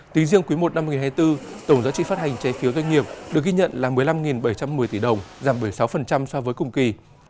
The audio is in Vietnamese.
tính riêng quý i năm hai nghìn hai mươi bốn tổng giá trị phát hành trái phiếu doanh nghiệp được ghi nhận là một mươi năm bảy trăm một mươi tỷ đồng giảm bảy mươi sáu so với cùng kỳ